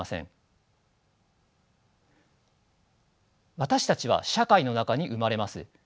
私たちは社会の中に生まれます。